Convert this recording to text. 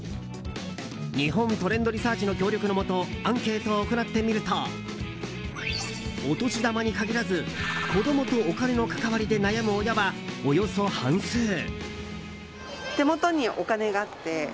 日本トレンドリサーチの協力のもとアンケートを行ってみるとお年玉に限らず子供とお金の関わりに悩む親はおよそ半数。